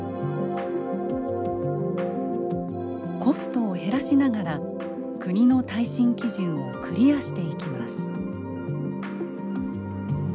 コストを減らしながら国の耐震基準をクリアしていきます。